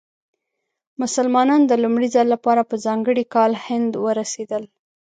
مسلمانان د لومړي ځل لپاره په ځانګړي کال هند ورسېدل.